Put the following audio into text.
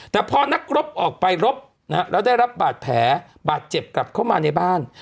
แต่พอนักรบออกไปรบแล้วได้รับบาดแผลบาดเจ็บกลับเข้ามาในบ้าน